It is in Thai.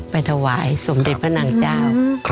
ไปถวายสมเด็จพระนางเจ้า